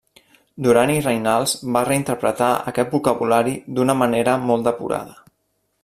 Duran i Reinals va reinterpretar aquest vocabulari d'una manera molt depurada.